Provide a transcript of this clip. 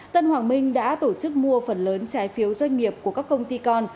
tân hoàng minh đã tổ chức mua phần lớn trái phiếu doanh nghiệp của các công ty con